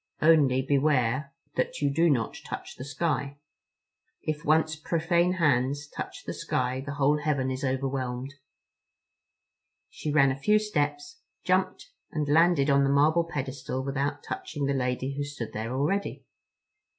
Only beware that you do not touch the sky. If once profane hands touch the sky the whole heaven is overwhelmed." She ran a few steps, jumped, and landed on the marble pedestal without touching the lady who stood there already.